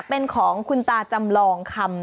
เป็นของคุณตาจำลองคำ